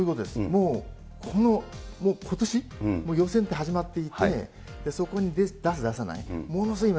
もうこのことし、もう予選って始まっていて、そこに出す出さない。